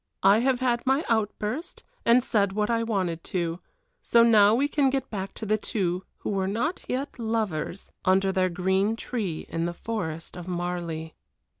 I have had my outburst, and said what I wanted to. So now we can get back to the two who were not yet lovers under their green tree in the Forest of Marly.